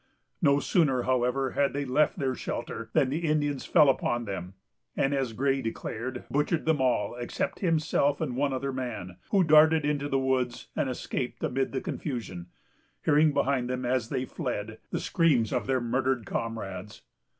No sooner, however, had they left their shelter, than the Indians fell upon them, and, as Gray declared, butchered them all, except himself and one other man, who darted into the woods, and escaped amid the confusion, hearing behind them, as they fled, the screams of their murdered comrades.